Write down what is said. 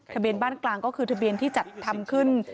ทะเบียนบ้านกลางก็คือทะเบียนที่จัดทำขึ้น